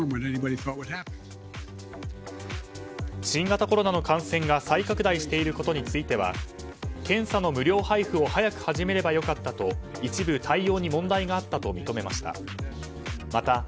新型コロナの感染が再拡大していることについては検査の無料配布を早く始めれば良かったと一部対応に問題があったと認めました。